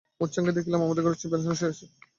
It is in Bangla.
মূর্ছাভঙ্গে দেখিলাম, আমার ঘরে বিছানায় শুইয়া আছি।